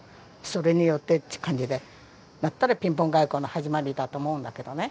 「それによって」っていう感じでだったらピンポン外交の始まりだと思うんだけどね。